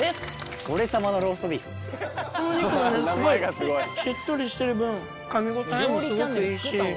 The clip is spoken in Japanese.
すごいしっとりしてる分噛み応えもすごくいいし。